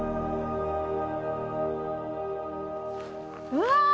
うわ！